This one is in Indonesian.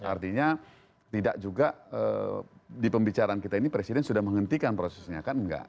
artinya tidak juga di pembicaraan kita ini presiden sudah menghentikan prosesnya kan enggak